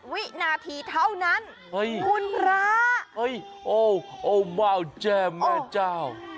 ๘วินาทีเท่านั้นคุณร้าเฮ้ยโอ้โอ้บาลแจมแม่เจ้า